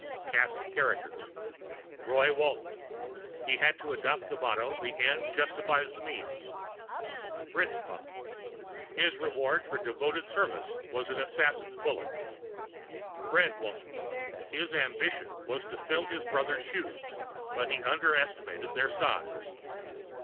CAST OF CHARACTERS ROY WALTON He had to adopt the motto the ends justify the means. FITZMAUGHAM His reward for devoted service was an assassin's bullet. FRED WALTON His ambition was to fill his brother's shoes but he underestimated their size.